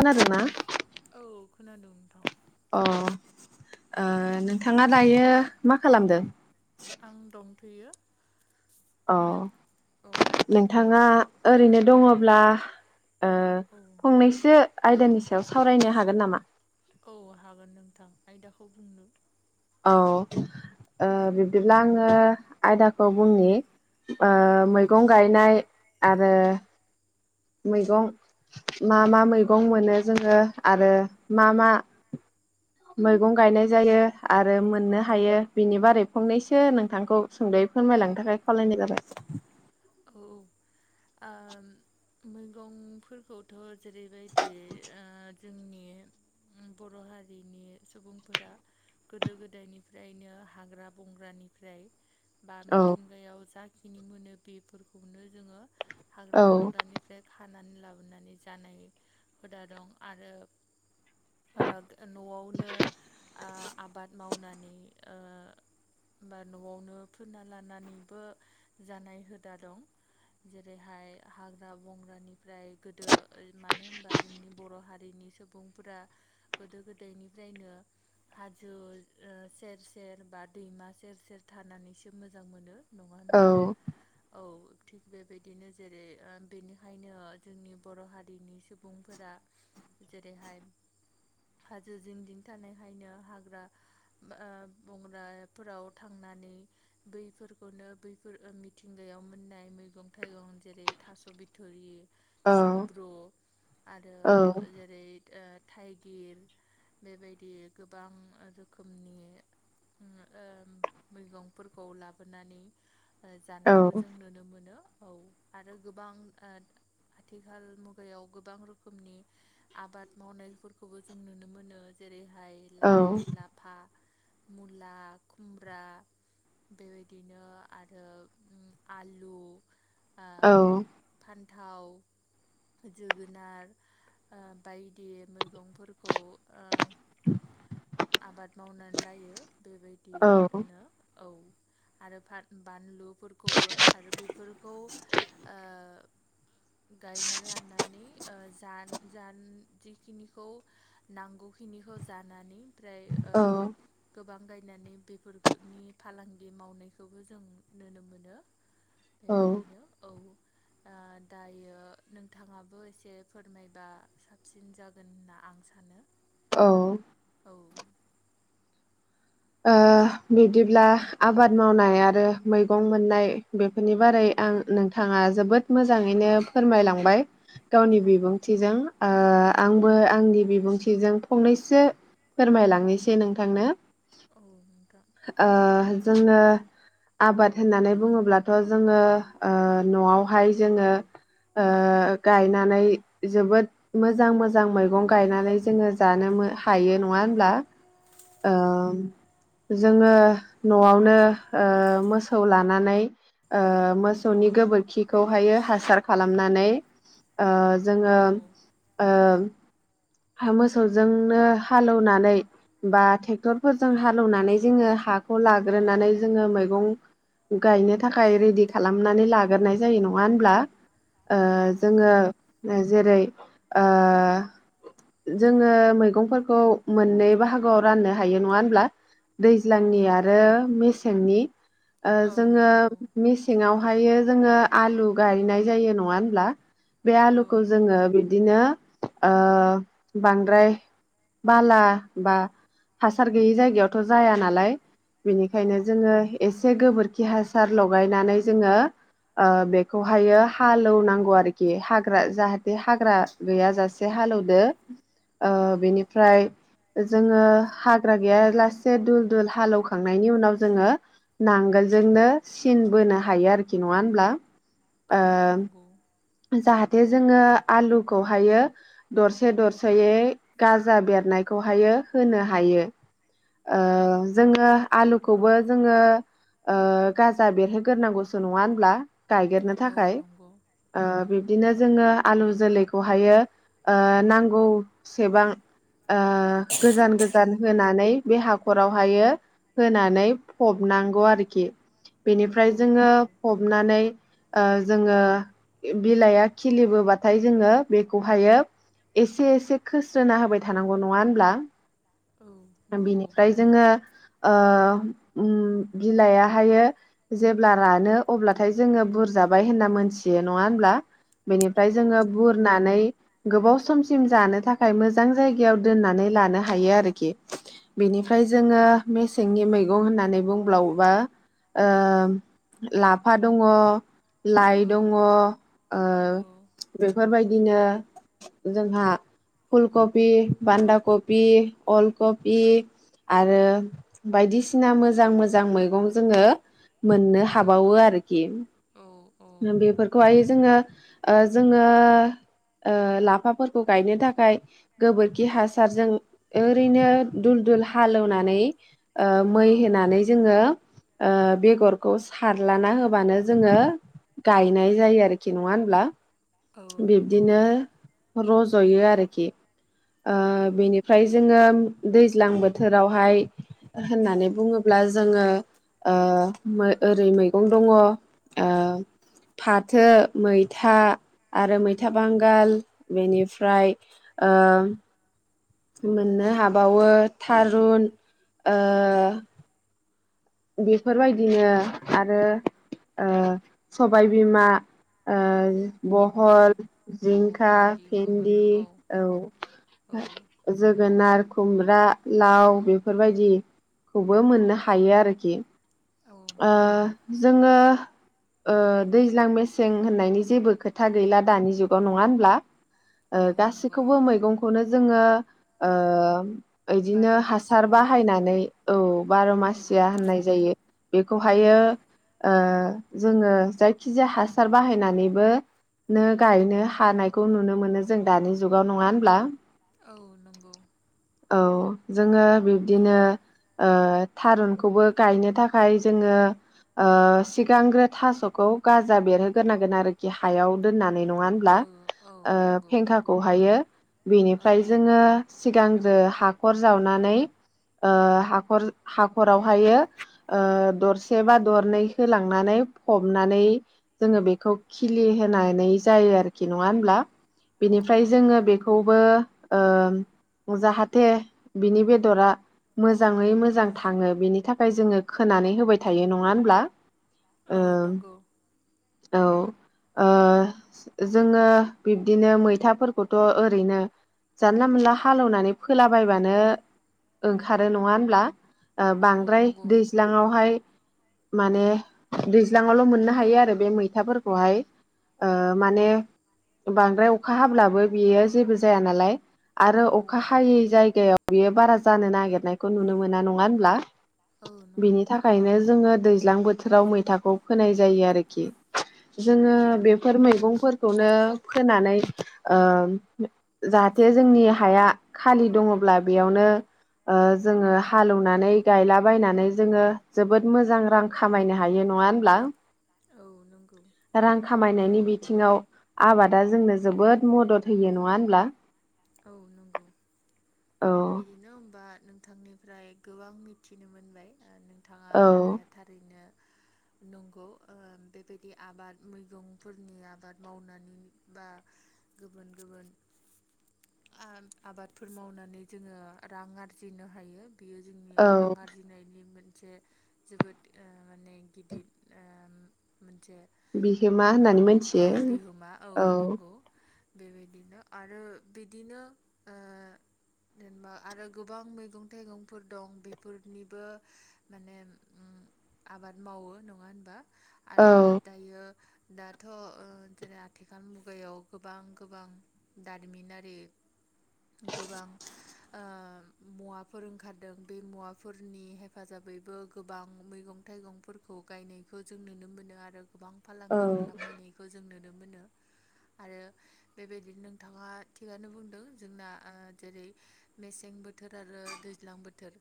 ओनादोना औ खोनादों नोंथां अ ओ नोंथाङा दायो मा खालामदों आं दंथैयो अ नोंथाङा ओरैनो दङब्ला ओ औ फंनैसो आयदानि सायाव सावरायनो हागोन नामा औ हागोन नोंथां आयदाखौ बुंदो औ ओ बिब्दिब्ला आङो आयदाखौ बुंनि ओ औ मैगं गायनाय आरो मैगं मा मा मैगं मोनो जोङो आरो मा मा मैगं गायनाय जायो आरो मोननो हायो बिनि बारै फंनैसो नोंथांखौ सोंद'यै फोरमायलांनो थाखाय खावलायनाय जाबाय औ औ ओम मैगंफोरखौथ' जेरैबायदि ओ जोंनि उम बर' हारिनि सुबुंफोरा गोदो गोदायनिफ्रायनो हाग्रा बंग्रानिफ्राय बा औ मिथिंगायाव जाखिनि मोनो बेफोरखौनो जोंङो हाग्रा औ बंग्रानिफ्राय खा खानानै लाबोनानै जानाय हुदा दं आरो ओ न'आवनो आ आबाद मावनानै ओ बा न'आवनो फोना लानानैबो जानाय हुदा दं। जेरैहाय हाग्रा बंग्रानिफ्राय गोदो मानो होनबा जोंनि बर' हारिनि सुबुंफोरा गोदो गोदायनिफ्रायनो हाजो ओ सेर सेर बा दैमा सेर सेर थानानैसो मोजां मोनो नङा होनबा औ औ थिग बेबायदिनो जेरै ओ बेनिखायनो ओ जोंनि बर' हारिनि सुबुंफोरा। जेरैहाय हाजो जिं जिं थानायहायनो हाग्रा ओ बंग्राफोराव थांनानै बैफोरखौनो बैफोर ओ मिथिं गायाव मोननाय मैगं थाइगं जेरै थास' बिथुरि औ सिब्रु आरो जेरै ओ थाइगिर बेबायदि गोबां रोखोमनि। ओ मैगंफोरखौ लाबोनानै। ओ औ जानायखौ जों नुनो मोनो औ आरो गोबां ओ आथिखाल मुगायाव गोबां रोखोमनि आबाद मावनायफोरखौबो जों नुनो मोनो जेरै हाय औ लाइ लाफा मुला खुमब्रा बेबायदिनो आरो। आलु औ न्थाव जोगोनार ओ बायदि मैगंफोरखौ ओ आबाद मावनानै लायो बेबायदिनो औ। आरो फान बानलुफोरखौबो आरो बेफोर गायना लानानै ओ जान जान जिखिनिखौ नांगौखिनिखौ जानानै ओमफ्राय ओ गोबां गा नानै बेफोरखौनि फालांगि मावनायखौबो जों नुनो मोनो। औ बेबायदिनो औ [inaudible] यो नोंथांङाबो एसे फोरमायबा साबसिन जागोन होनना आं सानो। औ औ ओ बिब्दिब्ला आबाद मावनाय आरो मैगं मोननाय बेफोरनि बारै आं नोंथांङा जोबोद मोजांङैनो फोरमायलांबाय। गावनि औ बिबुंथिजों ओ औ आंबो आंनि बिबुंथि थिजों फंनैसो फोरमायलांनोसै नोंथांनो। औ नोंथां ओ जोंङो आबाद होननानै बुंङोब्लाथ' जोंङो ओ न'आवहाय जोंङो। ओ गायनानै जोबोद मोजां मोजां मैगं गायनानै जोंङो जानो। बो हायो नंङा होनोब्ला? ओम जोंङो न'आवनो ओ मोसौ लानानै ओ मोसौनि। नि गोबोरखिखौहायो हासार खालामनानै। ओ जोंङो औ ओम हा मोसौजोंनो हालौनानै बा ट्रेक्टरफोरजों हालौनानै जोंङो हाखौ लाग्रोनानै जोंङो मैगं गायनो थाखाय रेडि खालामनानै लागोरनाय जायो नंङा होनब्ला? ओ औ नंगौ जोंङो जेरै ओ जोंङो मैगंफोरखौ मोननै बाहागोआव राननो हायो नंङा होनब्ला? औ दैज्लांनि आरो मेसेंनि ओ औ जोङो नंगौ मेसेङावहायो जोङो आलु गायनाय जायो नङा होनब्ला? बे औ आलुखौ जोङो बिदिनो ओ बांद्राय बाला बा हासार गैयि जायगायावथ' जाया नालाय। औ बेनिखायनो जोङो एसे गोबोरखि हासार लगायनानै जोङो ओ बेखौहायो हालेवनांगौ आरोखि हाग्रा जाहाथे हाग्रा गैयाजासे हालौदो ओ औ बेनिफ्राय जोङो हाग्रा गैया लासे दुल दुल हालौवखांनायनि उनाव जोङो नांगोल जोंनो सिन बोनो हायो आरोखि नङा होमब्ला? औ नंगौ। जाहाथे जोङो आलुखौहायो दरसे दरसेयै गाजा बेरनायखौ हायो होनो हायो। ओ औ जोङो आलु खौबो जोङो गाजा बेरहोग्रोनांगौसो नङा होनब्ला? गायगेरनो औ थाखाय। नंगौ ओ बिब्दिनो जोङो आलु जोलैखौहायो ओ नांगौसेबां ओ गोजान-गोजान होनानै बे हाखरावहायो होनानै फबनांगौ आरोखि। बेनिफ्राय जोङो नंगौ फबनानै ओ जोङो बिलाइआ खिलिबोबाथाय जोङो बेखौहायो एसे-एसे खोस्रोना होबाय थानांगौ नङा होनब्ला? औ नंगौ औ नंगौ बिनिफ्राय जोङो ओ ओम बिलाइयाहायो जेब्ला रानो अब्लाथाय जोङो बुरजा जाबाय होनना मोनथियो नङा होनोमब्ला? बेनिफ्राय औ जोङो नंगौ बुरनानै गोबाव समसिम जानो थाखाय मोजां जायगायाव दोननानै लानो हायो आरोखि औ बिनिफ्राय जोङो मेसेंनि मैगं होननानै बुंब्लावोबा- ओ लाफा दङ लाइ औ दं- ङ ओ औ बेफोरबायदिनो जोंहा फुलकबि बान्दाकपि अलकपि आरो बायदिसिना मोजां मोजां मैगं जोङो मोननो औ हाबावो आरोखि औ बेफोर खौहाय जोङो ओ जोङो ओ लाफाफोरखौ गायनो थाखाय गोबोरखि हासारजों ओरैनो दुल दुल हालेवनानै औ मै होनानै जोङो ओ बेगरखौ सारलाना होबानो जोङो गाय नाय जायो आरोखि नङा होनब्ला औ नंगौ बिब्दिनो रज'यो आरोखि ओ औ बेनिफ्राय जोङो दैज्लां बोथोरावहाय होननानै बुङोब्ला जोङो ओ ओरै मैगं दङ ओ फाथो, मैथा आरो मैथा बांगाल बेनिफ्राय ओ मोननो हाबावो थारुन ओ। बेफोरबायदिनो आरो ओ सबाय बिमा ओ औ भिन्दि बहल, औ जिंखा, भिन्दिबो भेन्दि मोनो औ। औ जोगोनार खुमब्रा, लाव बेफोरबायदिखौबो मोननो हायो आरोखि। औ ओ नंगौ जोङो ओ दैज्लां मेसें होननायनि जेबो खोथा गैला दानि जुगाव नङा होनब्ला? ओ औ नंगौ गासैखौबो मैगंखौनो जोङो ओ इदिनो बार' हासार बोसोरबो मोनो बाहायनानै औ बार' औ मासिया फाननाय जायो। औ बेखौहायो ओ जोङो जायखिजाया हासार बाहायनानैबो नो गायनो हानायखौ नुनो मोनो जों दानि जुगाव नङा होनब्ला। औ नंगौ औ जोङो औ बिब्दिनो ओ थारुनखौबो गायनो थाखाय जोङो ओ सिगांग्रो थास'खौ गाजा बेरहोग्रोनांगोन आरोखि हायाव दोननानै। ओ नङा होनब्ला औ औ नंगौ नंगौ नोंथां पेंखाखौहायो औ बेनिफ्राय जोङो सिगां आरो हाखर जावनानै ओ हाखर हाखरावहायो ओ दरसे बा दरनै होलांनानै फबनानै जोङो बेखौ खिलिहोनानै जायो आरोखि नङा होनब्ला औ बिनिफ्राय जोङो बेखौबो ओ जाहाथे बिनि बेदरा मोजाङै मोजां थाङो बेनि थाखाय जोङो खोनानै होबाय थायो नङा होनब्ला? औ ओ नंगौ। औ ओ जोङो बिब्दिनो मैथाफोरखौथ' ओरैनो जानला-मोनला हालेवनानै फोलाबायबानो ओंखारो नङा होनब्ला? ओ औ बांद्राय नंगौ दैज्लाङावहाय माने दैज्लाङावल' मोननो हायो आरो बे मैथाफोरखौहाय ओ औ माने बांद्राय अखा हाब्लाबो बियो जेबो जाया नालाय। आरो औ अखा हायै जायगायाव बेयो बारा जानो नागिरनायखौ नुनो मोना नङा होनब्ला। औ बिनि नंगौ थाखायनो जोङो दैज्लां बोथोराव मैथाखौ फोनाय जायो आरोखि। जोङो औ बेफोर मैगंफोरखौनो मैगंफोर फोनानै ओम जाहाथे जोंनि हाया खालि दङब्ला बेयावनो ओ जोङो हालेवनानै गायलाबायनानै जोङो जोबोद मोजां रां खामायनो हायो। नङा होनब्ला औ नंगौ रां खामाय औ नायनि बिथिङाव आबादा जोंनो जोबोद मदद होयो नङा होनब्ला? औ नंगौ औ बिदिनो होनबा नोंथांनिफ्राय गोबां मिथिनो मोनबाय नोंथाङा औ बुंनाया थारैनो [inaudible] नंगौ बेबायदि आबाद मैगंफोरनि आबाद मावनानै बा गुबुन गुबुन [inaudible] ओ आबादफोर मावनानै जोङो रां आरजिनो हायो बेयो जोंनि रां औ आरजिनायनि मोन से जोबोद ओ माने गिदिर ओम मोनसे बिहोमा होननानै औ मोनथियो बिहोमा औ नंगौ बेबायदिनो आरो बिदिनो ओ जेनेबा आरो गोबां मैगं-थाइगंफोर दं बेफोरनिबो माने ओम आबाद मावो नङा होनबा औ आरो दायो दाथ' जेरै आथिखाल मुगायाव गोबां गोबां दा रिमिनारि गोबां ओ [inaudible] मुवाफोर ओंखारदों। बे मुवाफोरनि हेफाजाबैबो गोबां मैगं थाइगंफोरखौ गायनायखौ जों नुनो मोनो आरो गोबां फालांगि खालामहैनायखौ जों नुनो मोनो। आरो बेबायदिनो नोंथाङा थिगानो बुंदों जोंना ओ जेरै मेसें बोथोर आरो दैज्लां बोथोर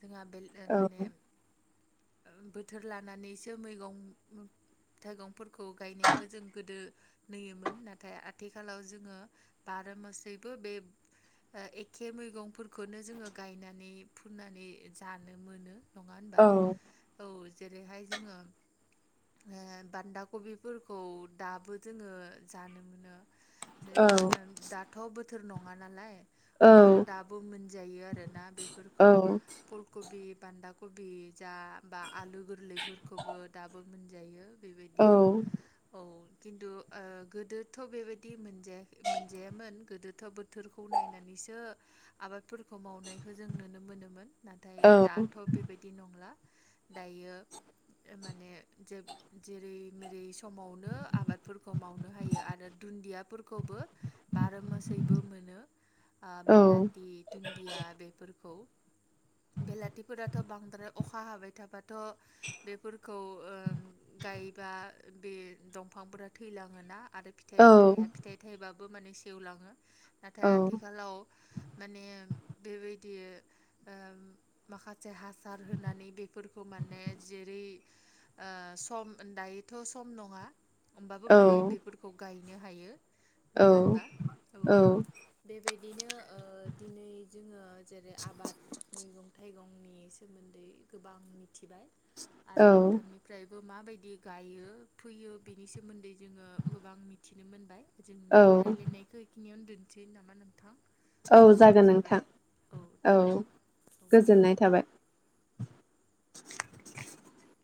जोंहा बे औ माने बोथोर लानानैसो मैगं थाइगंफोरखौ गायनायखौ जों गोदो नुयोमोन नाथाय आथिखालाव जोङो बार मासैबो बे ओ एखे मैगंफोरखौनो जोङो गायनानै फुननानै जानो मोनो। नङा होनबा औ औ जेरैहाय जोङो ओ बान्दा कबिफोरखौ दाबो जोङो जानो मोनो। औ जेनेबा ओ दाथ' बोथोर नङा नालाय औ होमबाबो दाबो मोनजायो आरोना औ बेफोरखौ फुलकबि बान्दा कबि जा बा आलु गोरलैफोरखौबो दाबो मोनजायो। बेबायदि औ खिन्थु ओ गोदोथ' बेबायदि मोनजाया मोनजायामोन गोदोथ' बोथोरखौ नायनानैसो आबाद फोरफोरखौ मावनायखौ जों नुनो मोनोमोन नाथाय दाथ' बेबायदि नंला दायो माने जेरै मेरै समावनो आबादफोरखौ मावनो हायो आरो। दुन्दियाफोरखौबो बार' मासैबो मोनो ओ बेलाथि दुन्दिया बेफोरखौ बेलाथिफोराथ' बांद्राय अखा हाबाय थाबा थ' बेफोरखौ ओ गाय बा बे दंफांफोरा थैलाङोना आरो फिथाइबो थाया फिथाइ थाइब बो माने सेवलाङो नाथाय आथिखालाव माने बेबायदि ओ माखासे हासार होनानै बेफोरखौ माने जेरै ओ सम दायोथ' सम नङा होमबाबो माने बेफोरखौ गाय नो हायो। नङा औ होनबा औ बेबायदिनो ओ दिनै जोङो जेरै आबाद मैगं थाइगंनि सोमोन्दै गोबां मिथिबाय आरो औ नोंथांनिफ्राय बो माबायदि गायो फैयो बिनि सोमोन्दै जोङो गोबां मिथिनो मोनबाय औ जोंनि रायजलायनायखौ बेखिनियावनो दोनसै नामा नोंथां औ समाबो जागोन जाबाय नोंथां औ गोजोननाय थाबाय। [inaudible]